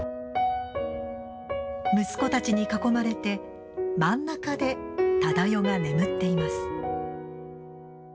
息子たちに囲まれて真ん中で忠世が眠っています。